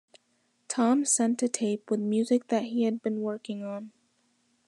Tom sent a tape with music that he had been working on.